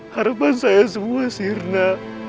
harapan saya semua sirna